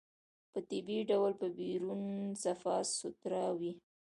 په طبيعي ډول به بيرون صفا سوتره وي.